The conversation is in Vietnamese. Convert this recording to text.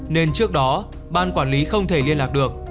nên trước đó ban quản lý không thể liên lạc được